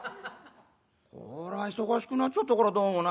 こら忙しくなっちゃったこらどうもな。